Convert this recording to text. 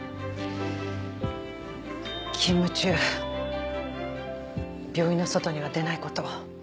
勤務中病院の外には出ないこと。